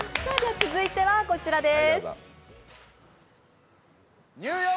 続いてはこちらです。